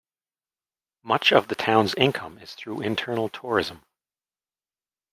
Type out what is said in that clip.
Much of the town's income is through internal tourism.